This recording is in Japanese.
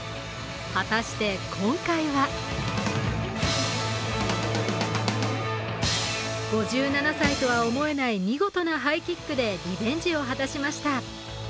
果たして今回は５７歳とは思えない見事なハイキックでリベンジを果たしました。